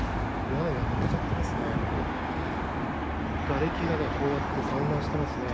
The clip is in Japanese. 屋根が抜けちゃっていますね。